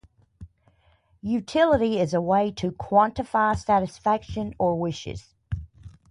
Utility is a way to quantify satisfaction or wishes.